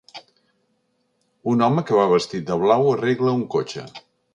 Un home que va vestit de blau arregla un cotxe.